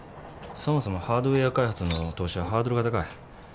そもそもハードウェア開発の投資はハードルが高い。